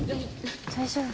・大丈夫？